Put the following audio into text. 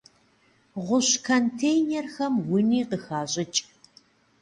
Гъущӏ контейнерхэм уни къыхащӏыкӏ.